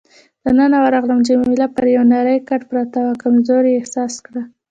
دننه ورغلم، جميله پر یو نرۍ کټ پرته وه، کمزوري یې احساس کړه.